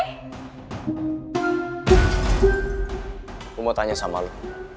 aku mau tanya sama lu